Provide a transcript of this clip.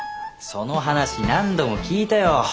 その話何度も聞いたよ。